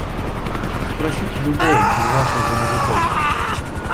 Спросите любого из ваших же мужиков.